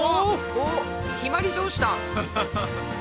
おっひまりどうした？